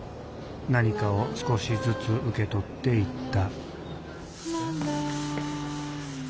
何かを少しずつ受け取っていった